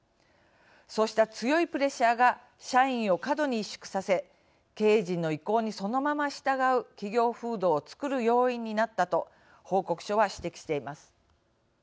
そうした強いプレッシャーが社員を過度に委縮させ経営陣の意向にそのまま従う企業風土をつくる要因になったと報告書は指摘しています。